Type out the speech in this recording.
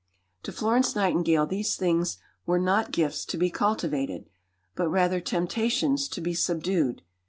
To Florence Nightingale these things were not gifts to be cultivated, but rather temptations to be subdued.